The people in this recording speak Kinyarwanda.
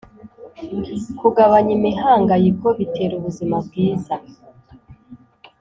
kugabanya imihangayiko bitera ubuzima bwiza